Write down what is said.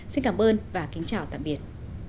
xin cảm ơn và kính chào tạm biệt